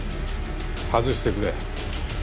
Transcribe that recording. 外してくれ。